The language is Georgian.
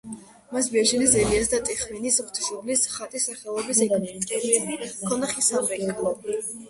მას მიაშენეს ელიას და ტიხვინის ღვთისმშობლის ხატის სახელობის ეგვტერები, ჰქონდა ხის სამრეკლო.